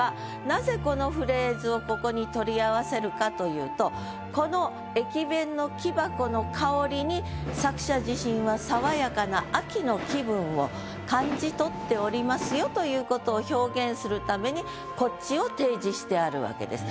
なぜこのフレーズをここに取り合わせるかというとこの駅弁の木箱の香りに作者自身は感じ取っておりますよということを表現するためにこっちを提示してあるわけです。